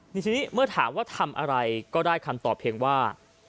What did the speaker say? ทีนี้เมื่อถามว่าทำอะไรก็ได้คำตอบเพียงว่า